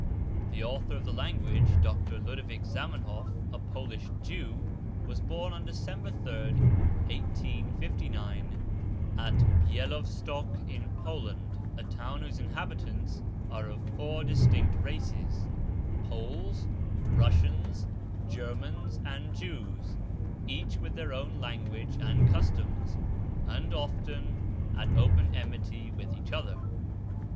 The author of the language, Dr. Ludovic Zamenhof, a Polish Jew, was born on December 3rd, 1859, at Bielovstok, in Poland, a town whose inhabitants are of four distinct races, Poles, Russians, Germans, and Jews, each with their own language and customs, and often at open enmity with each other.